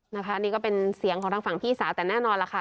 นะคะนี่ก็เป็นเสียงของทางฝั่งพี่สาวแต่แน่นอนล่ะค่ะ